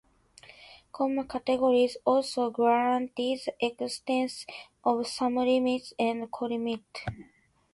Comma categories also guarantee the existence of some limits and colimits.